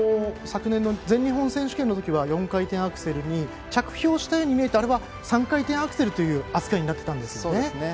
昨年の全日本選手権では４回転アクセルは着氷したように見えてあれは３回転アクセルという扱いになっていたんですよね。